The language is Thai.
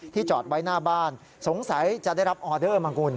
จอดไว้หน้าบ้านสงสัยจะได้รับออเดอร์มาคุณ